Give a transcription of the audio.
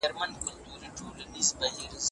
افغان مشرانو د جګړې ټول تاکتیکونه کارولي و.